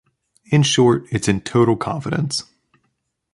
In short, it's in total confidence.